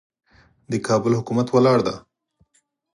د کابل حکومت ولاړ دی.